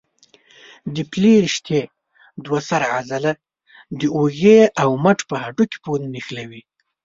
د پلې رشتې دوه سره عضله د اوږې او مټ په هډوکو پورې نښلوي.